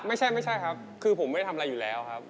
ไม่ใช่ไม่ใช่ครับคือผมไม่ได้ทำอะไรอยู่แล้วครับ